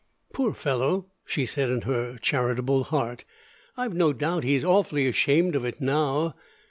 "Poor fellow," she said in her charitable heart, "I've no doubt he's awfully ashamed of it now.